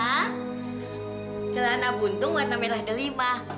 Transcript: ma celana buntung warna merah gelimah